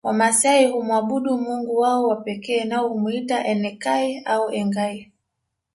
Wamasai humwabudu mungu wao wa pekee nao humwita Enkai au Engai